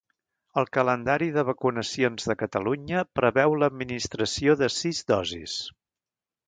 El calendari de vacunacions de Catalunya preveu l'administració de sis dosis.